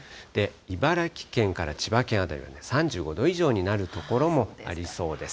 茨城県から千葉県辺りは３５度以上になる所もありそうです。